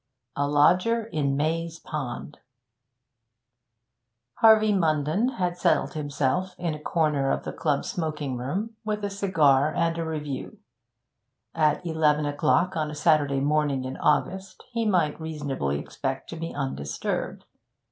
A LODGER IN MAZE POND Harvey Munden had settled himself in a corner of the club smoking room, with a cigar and a review. At eleven o'clock on a Saturday morning in August he might reasonably expect to be undisturbed.